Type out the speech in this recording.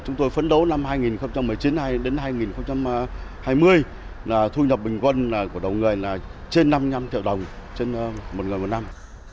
chúng tôi phấn đấu năm hai nghìn một mươi chín đến hai nghìn hai mươi thu nhập bình quân của đầu người là trên năm triệu đồng trên một người một năm